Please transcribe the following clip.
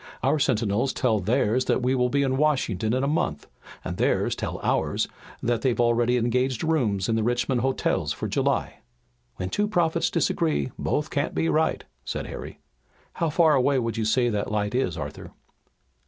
Our sentinels tell theirs that we'll be in Washington in a month, and theirs tell ours that they've already engaged rooms in the Richmond hotels for July." "When two prophets disagree both can't be right," said Harry. "How far away would you say that light is, Arthur?"